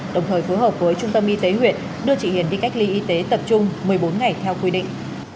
đồng thời phối hợp với trung tâm y tế huyện đưa chị hiền đi cách ly y tế tập trung một mươi bốn ngày theo quy định